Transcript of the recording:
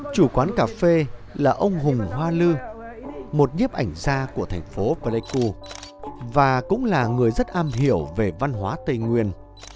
chủ quán cà phê là ông hùng hoa lư một nhếp ảnh gia của thành phố pleiku và cũng là người rất am hiểu về văn hóa tây nguyên